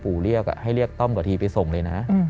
เรียกให้เรียกต้อมกว่าทีไปส่งเลยนะ